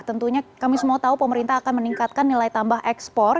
tentunya kami semua tahu pemerintah akan meningkatkan nilai tambah ekspor